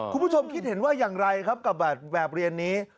คุณผู้ชมคิดเห็นว่าอย่างไรครับกับแบบเรียนนี้